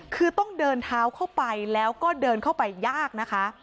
คือต้องเดินเท้าเข้าไปแล้วก็เดินเข้าไปยากนะคะ